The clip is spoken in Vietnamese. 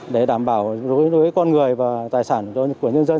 để đảm bảo đối với con người và tài sản của nhân dân